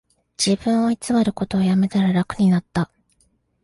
自分を偽ることをやめたら楽になった